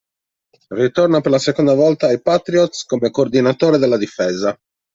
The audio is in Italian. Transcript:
Ritorna per la seconda volta ai Patriots come coordinatore della difesa.